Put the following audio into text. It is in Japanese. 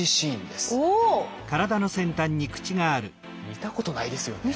見たことないですよね？